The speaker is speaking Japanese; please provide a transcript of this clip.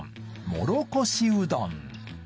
もろこしうどん